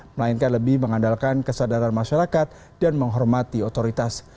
melainkan lebih mengandalkan kesadaran masyarakat dan menghormati otoritas